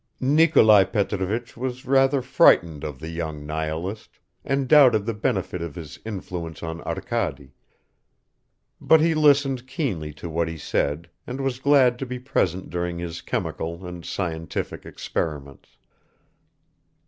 Nikolai Petrovich was rather frightened of the young "Nihilist" and doubted the benefit of his influence on Arkady, but he listened keenly to what he said and was glad to be present during his chemical and scientific experiments.